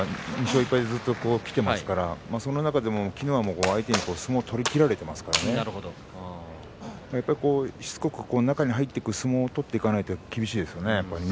２勝１敗ずつきていますからその中でも昨日は相手に相撲を取りきられていますからしつこく中に入っていく相撲を取らないと厳しいですよね。